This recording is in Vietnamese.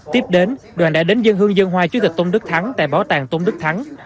tiếp đến đoàn đã đến dân hương dân hoa chủ tịch tôn đức thắng tại bảo tàng tôn đức thắng